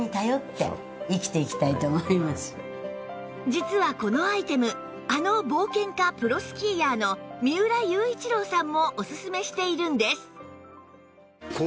実はこのアイテムあの冒険家プロスキーヤーの三浦雄一郎さんもオススメしているんです